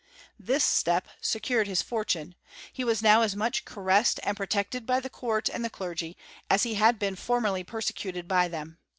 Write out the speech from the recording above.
This step secured his fortune : he was now as much caressed and protected by the court and the clergy, as he had been formerly persecuted by them.